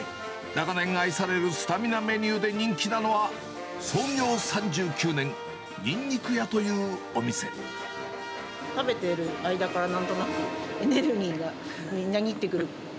長年愛されるスタミナメニューで人気なのは、創業３９年、にんに食べている間から、なんとなく、エネルギーがみなぎってくる。